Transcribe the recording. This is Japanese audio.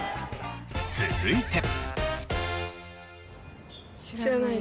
続いて。